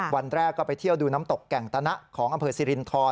วันแรกก็ไปเที่ยวดูน้ำตกแก่งตนะของอำเภอสิรินทร